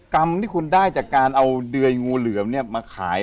กรรมที่คุณได้จากการเอาเดื่อยงูเหลือมมาขาย